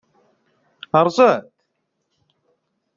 Rrẓet!